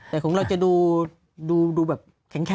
แต่ของเราจะดูแบบแข็ง